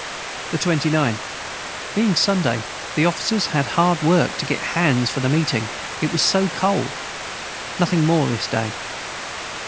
the 29. Being Sunday the officers had hard work to get hands for meting it was so cold nothing more this day.